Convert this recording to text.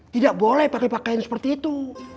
tidak boleh pakai pakaian seperti itu